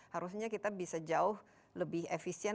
harusnya kita bisa jauh lebih efisien